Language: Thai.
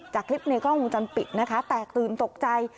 จากคลิปในกล้องวงจรปิดนะคะแตกตื่นตกใจ